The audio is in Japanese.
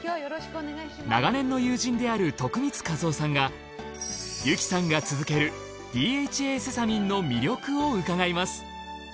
長年の友人である徳光和夫さんが由紀さんが続けるＤＨＡセサミンの魅力を伺います。